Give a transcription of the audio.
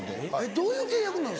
どういう契約なの？